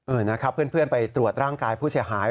นะครับเพื่อนไปตรวจร่างกายผู้เสียหาย